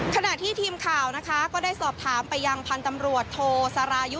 ขณะที่ทีมข่าวนะครับก็ได้สอบถามไปอาย่างพันธุ์ทมโทสารายุส